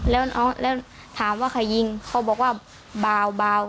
แล้วถามว่าใครยิงเขาบอกว่าเบา